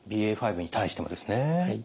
ＢＡ．５に対してもですね。